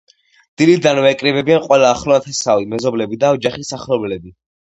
დილიდანვე იკრიბებიან ყველა ახლო ნათესავი, მეზობლები და ოჯახის ახლობლები.